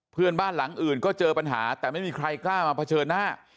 เพื่อนบ้านหลังอื่นก็เจอปัญหาแต่ไม่มีใครกล้ามาเผชิญหน้า